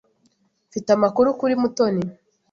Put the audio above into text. Mfite amakuru kuri Mutoni.